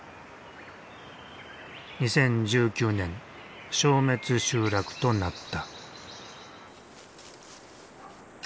２０１９年消滅集落となった。